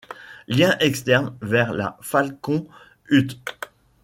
Lien externe vers la Falcon Ute.